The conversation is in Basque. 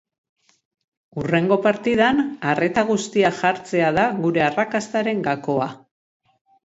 Hurrengo partidan arreta guztia jartzea da gure arrakastaren gakoa.